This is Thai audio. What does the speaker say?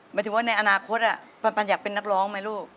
หมายถึงว่าในอนาคตปันอยากเป็นนักร้องไหมลูก